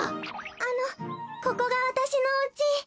あのここがわたしのおうち。